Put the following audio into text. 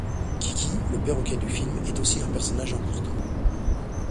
Kiki, le perroquet du film, est aussi un personnage important.